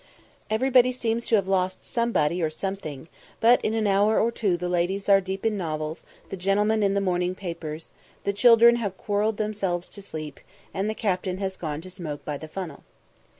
Everybody seems to have lost somebody or something, but in an hour or two the ladies are deep in novels, the gentlemen in the morning papers, the children have quarrelled themselves to sleep, and the captain has gone to smoke by the funnel.